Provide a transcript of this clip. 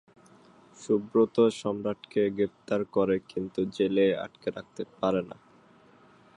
সুব্রত সম্রাটকে গ্রেপ্তার করে, কিন্তু জেলে আটকে রাখতে পারেনা।